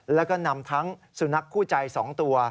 แล้วก็นำทั้งสุนัขคู่ใจ๒ตัว